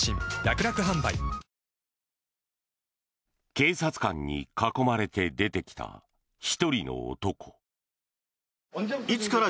警察官に囲まれて出てきた１人の男。